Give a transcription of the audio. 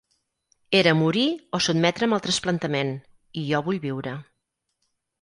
Era morir o sotmetre’m al trasplantament i jo vull viure.